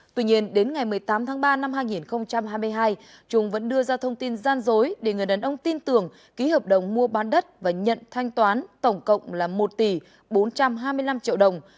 tuy nhiên đến ngày một mươi tám tháng ba năm hai nghìn hai mươi hai trung vẫn đưa ra thông tin gian dối để người đàn ông tin tưởng ký hợp đồng mua bán đất và nhận thanh toán tổng cộng là một tỷ bốn trăm hai mươi năm triệu đồng